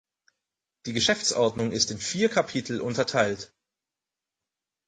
Die Geschäftsordnung ist in vier Kapitel unterteilt.